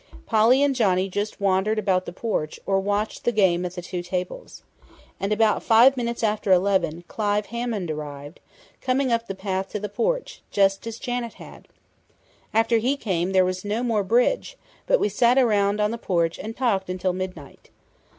Polly and Johnny just wandered about the porch or watched the game at the two tables. And about five minutes after eleven Clive Hammond arrived, coming up the path to the porch, just as Janet had. After he came, there was no more bridge, but we sat around on the porch and talked until midnight.